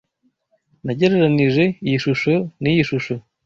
Nagereranije iyi shusho niyi shusho.